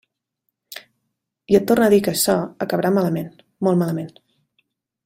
I et torne a dir que açò acabarà malament, molt malament.